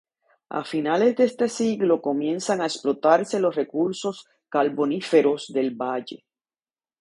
A finales de este siglo comienzan a explotarse los recursos carboníferos del valle.